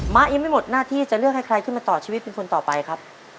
้ายังไม่หมดหน้าที่จะเลือกให้ใครขึ้นมาต่อชีวิตเป็นคนต่อไปครับ